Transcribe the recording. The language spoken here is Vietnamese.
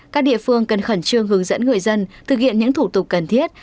các địa phương cần khẩn trương hướng dẫn người dân thực hiện những thủ tục cần thiết